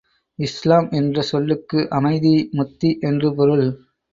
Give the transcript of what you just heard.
இஸ்லாம் என்ற சொல்லுக்கு அமைதி, முத்தி என்று பொருள்.